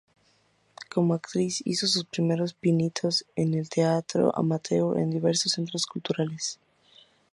Como actriz, hizo sus primeros pinitos en teatro amateur en diversos centros culturales.